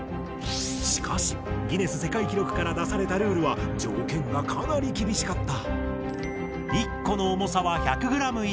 しかしギネス世界記録から出されたルールは条件がかなり厳しかった。